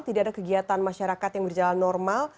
tidak ada kegiatan masyarakat yang berjalan normal